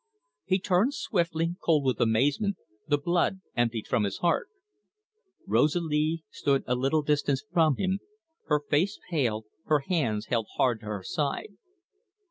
He turned swiftly, cold with amazement, the blood emptied from his heart. Rosalie stood a little distance from him, her face pale, her hands held hard to her side.